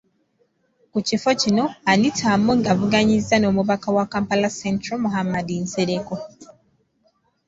Ku kifo kino, Anita Among avuganyizza n’omubaka wa Kampala Central, Muhammad Nsereko.